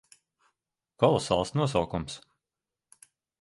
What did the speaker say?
Kolosāls nosaukums.